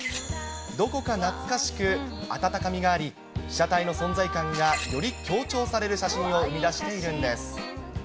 どこか懐かしく、温かみがあり、被写体の存在感がより強調される写真を生み出しているんです。